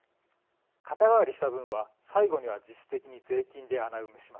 肩代わりした分は最後には実質的に税金で穴埋めします。